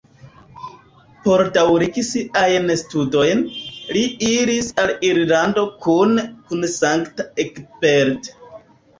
Por daŭrigi siajn studojn, li iris al Irlando kune kun Sankta Egbert.